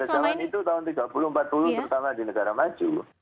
zaman itu tahun tiga puluh empat puluh pertama di negara maju